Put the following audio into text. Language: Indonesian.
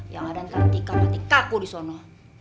ya ga ada ntar latika latikaku disono